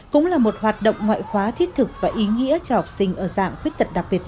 cũng là một hoạt động ngoại khóa thiết thực và ý nghĩa cho học sinh ở dạng khuyết tật đặc biệt này